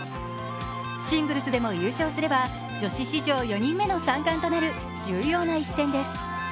シングルスでも優勝すれば、女子史上４人目の３冠となる重要な一戦です。